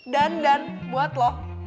dandan buat lo